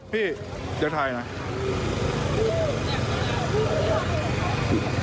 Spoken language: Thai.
พี่อยากถ่ายไหม